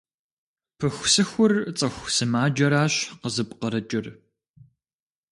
Пыхусыхур цӀыху сымаджэращ къызыпкъырыкӀыр.